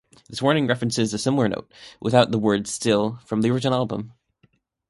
This warning references a similar note, without the word "still", from the original album.